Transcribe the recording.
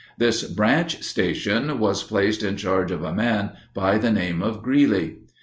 This branch station was placed in charge of a man by the name of Greeley.